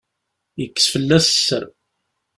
Yekkes fell-as sser.